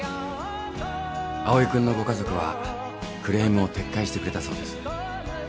蒼君のご家族はクレームを撤回してくれたそうです。